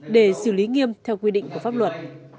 để xử lý nghiêm theo quy định của pháp luật